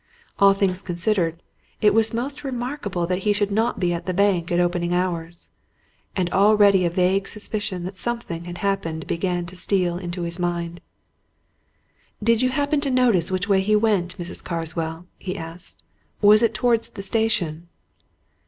All things considered, it was most remarkable that he should not be at the bank at opening hours. And already a vague suspicion that something had happened began to steal into his mind. "Did you happen to notice which way he went, Mrs. Carswell?" he asked. "Was it towards the station?"